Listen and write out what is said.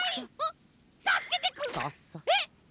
えっ？